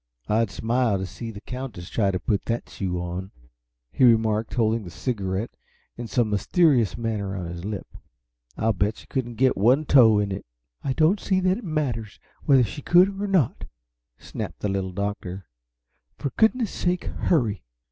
"I'd smile to see the Countess try to put that shoe on," he remarked, holding the cigarette in some mysterious manner on his lip. "I'll bet she couldn't get one toe in it." "I don't see that it matters, whether she could or not," snapped the Little Doctor. "For goodness sake, hurry!"